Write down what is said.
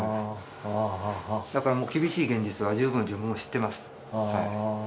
だから厳しい現実は十分、自分も知っています。